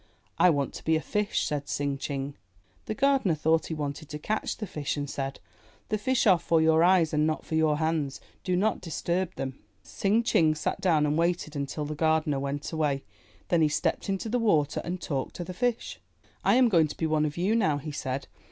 '1 want to be a fish,'' said Tsing Ching. The gardener thought he wanted to catch the fish and said, The fish are for your eyes and not for your hands. Do not disturb them." Tsing Ching sat down and waited until the gardener went away. Then he stepped into the water and talked to the fish, "I am going to be one of you now," he said.